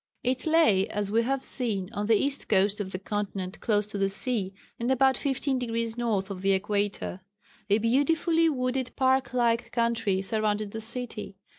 It lay, as we have seen, on the east coast of the continent close to the sea, and about 15° north of the equator. A beautifully wooded park like country surrounded the city.